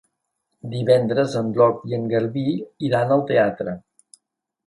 Divendres en Roc i en Garbí iran al teatre.